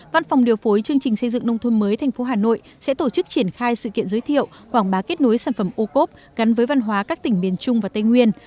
văn phòng điều phối chương trình xây dựng nông thôn mới thành phố hà nội sẽ tổ chức triển khai sự kiện giới thiệu quảng bá kết nối sản phẩm ô cốp gắn với văn hóa các tỉnh miền trung và tây nguyên